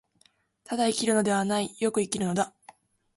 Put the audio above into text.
ただ生きるのではない、善く生きるのだ。